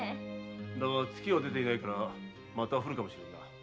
だが月は出ていないからまた降るかもしれん。